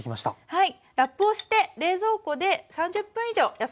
はい。